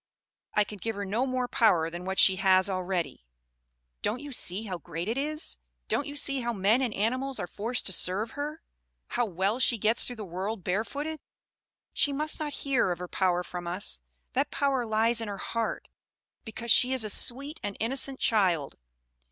"I can give her no more power than what she has already. Don't you see how great it is? Don't you see how men and animals are forced to serve her; how well she gets through the world barefooted? She must not hear of her power from us; that power lies in her heart, because she is a sweet and innocent child!